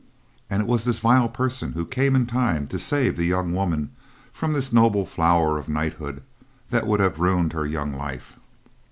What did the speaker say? And it was this vile person who came in time to save the young woman from the noble flower of knighthood that would have ruined her young life.